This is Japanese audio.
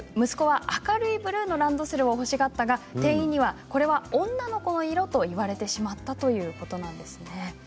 息子は明るいブルーのランドセルを欲しがったが店員には、これは女の子の色と言われてしまったということです。